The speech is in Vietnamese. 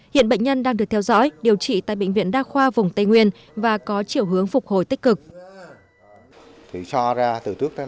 hiện bệnh nhân đang được theo dõi điều trị tại bệnh viện đa khoa vùng tây nguyên và có chiều hướng phục hồi tích cực